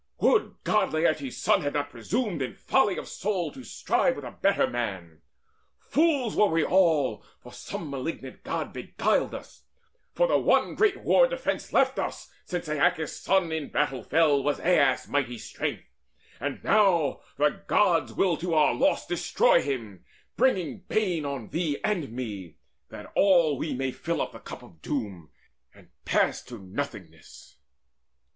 Would God Laertes' son had not presumed In folly of soul to strive with a better man! Fools were we all; and some malignant God Beguiled us; for the one great war defence Left us, since Aeacus' son in battle fell, Was Aias' mighty strength. And now the Gods Will to our loss destroy him, bringing bane On thee and me, that all we may fill up The cup of doom, and pass to nothingness."